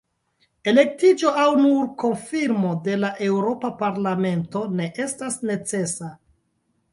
Elektiĝo aŭ nur konfirmo de la Eŭropa Parlamento ne estas necesa.